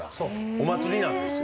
お祭りなんですよ。